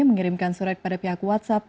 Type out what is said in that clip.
mengirimkan suret pada pihak whatsapp